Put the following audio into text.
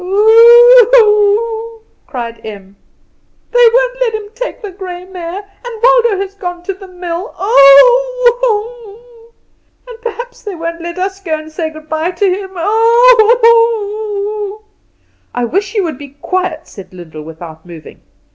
"Hoo, hoo!" cried Em; "and they won't let him take the grey mare; and Waldo has gone to the mill. Hoo, hoo, and perhaps they won't let us go and say good bye to him. Hoo, hoo, hoo!" "I wish you would be quiet," said Lyndall without moving.